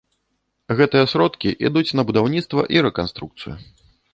Гэтыя сродкі ідуць на будаўніцтва і рэканструкцыю.